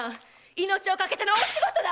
命を懸けての大仕事だ！